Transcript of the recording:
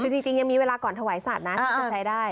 คือจริงยังมีเวลาก่อนถวายสัตว์นะที่จะใช้ได้